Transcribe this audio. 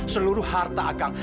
seluruh harta akang